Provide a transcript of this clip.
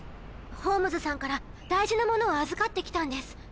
ホームズさんから大事なものを預かって来たんです。